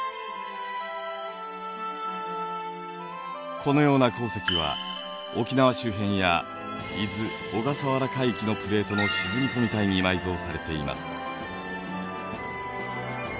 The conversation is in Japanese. このような鉱石は沖縄周辺や伊豆・小笠原海域のプレートの沈み込み帯に埋蔵されています。